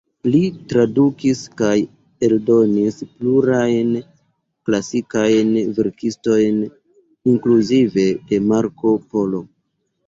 Li tradukis kaj eldonis plurajn klasikajn verkistojn, inkluzive de Marko Polo.